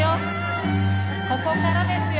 ここからですよ。